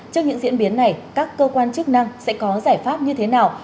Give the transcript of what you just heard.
trước những diễn biến này các cơ quan chức năng sẽ có giải pháp như thế nào